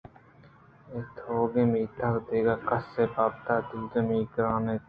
اے تیوگیں میتگ ءَ دگہ کسے ءِ بابت ءَ دلجمی گران اَت